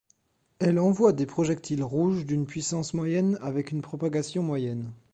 Elle envoie des projectiles rouges d'une puissance moyenne avec une propagation moyenne.